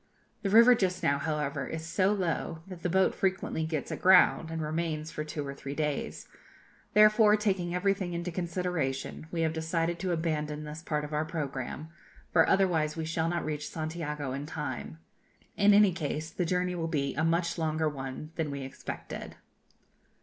The river just now, however, is so low, that the boat frequently gets aground, and remains for two or three days; therefore, taking everything into consideration, we have decided to abandon this part of our programme, for otherwise we shall not reach Santiago in time. In any case, the journey will be a much longer one than we expected.